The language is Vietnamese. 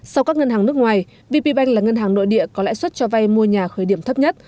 sau các ngân hàng nước ngoài vp bank là ngân hàng nội địa có lãi suất cho vay mua nhà khởi điểm thấp nhất